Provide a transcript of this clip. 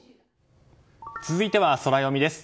続いては、ソラよみです。